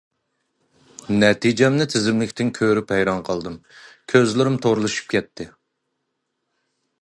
نەتىجەمنى تىزىملىكتىن كۆرۈپ ھەيران قالدىم. كۆزلىرىم تورلىشىپ كەتتى.